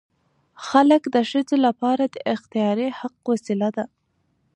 خلع د ښځې لپاره د اختیاري حق وسیله ده.